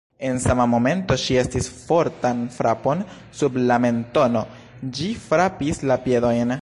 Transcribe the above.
En sama momento ŝi sentis fortan frapon sub la mentono. Ĝi frapis la piedojn!